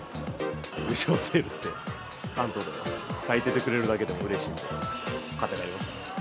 優勝セールって、関東で書いててくれるだけでも、うれしいので買って帰ります。